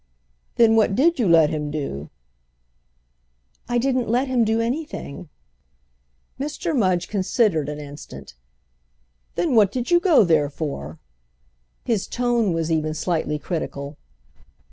"Then what did you let him do?" "I didn't let him do anything." Mr. Mudge considered an instant. "Then what did you go there for?" His tone was even slightly critical.